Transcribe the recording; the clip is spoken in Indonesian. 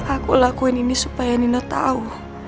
aku lakuin ini supaya nina tahu